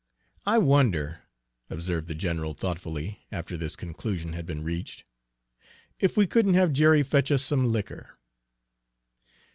"I wonder," observed the general thoughtfully, after this conclusion had been reached, "if we couldn't have Jerry fetch us some liquor?"